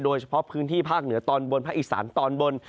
โดยเฉพาะพื้นที่ภาคเหนือตอนบนภาคอีสานตอนบน